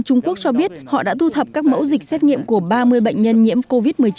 trung quốc cho biết họ đã thu thập các mẫu dịch xét nghiệm của ba mươi bệnh nhân nhiễm covid một mươi chín